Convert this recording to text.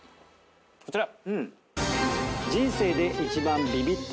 こちら。